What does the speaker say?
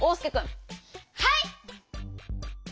はい！